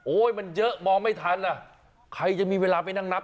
มันเยอะมองไม่ทันอ่ะใครจะมีเวลาไปนั่งนับ